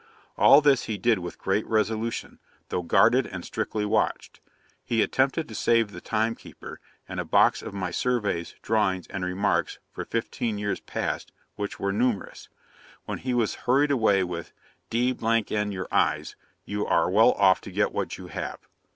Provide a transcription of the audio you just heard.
All this he did with great resolution, though guarded and strictly watched. He attempted to save the timekeeper, and a box with my surveys, drawings, and remarks, for fifteen years past, which were numerous; when he was hurried away with "D n your eyes, you are well off to get what you have."